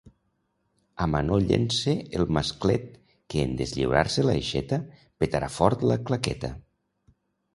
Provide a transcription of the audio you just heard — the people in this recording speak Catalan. Amanollen-se el masclet que, en deslliurar-se l'aixeta, petarà fort la claqueta!